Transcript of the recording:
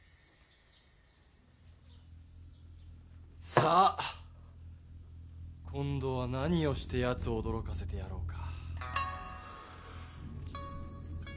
さあ今度は何をしてやつを驚かせてやろうか。